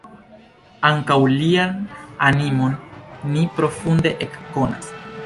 Ankaŭ lian animon ni profunde ekkonas.